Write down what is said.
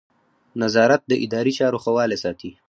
نظارت د اداري چارو ښه والی ساتي.